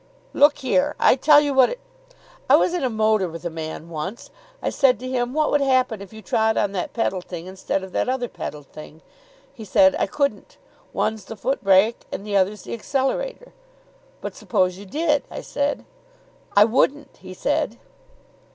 "Look here, I tell you what it " "I was in a motor with a man once. I said to him: 'What would happen if you trod on that pedal thing instead of that other pedal thing?' He said, 'I couldn't. One's the foot brake, and the other's the accelerator.' 'But suppose you did?' I said. 'I wouldn't,' he said.